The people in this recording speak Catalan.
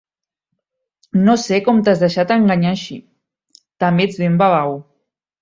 No sé com t'has deixat enganyar així: també ets ben babau.